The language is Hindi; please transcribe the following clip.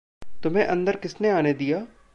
तुम्हें अंदर किसने आने दिया?